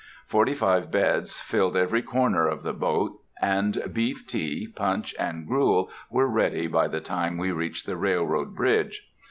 Forty five beds filled every corner of the boat, and beef tea, punch, and gruel were ready by the time we reached the railroad bridge.